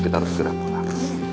kita harus gerak pulang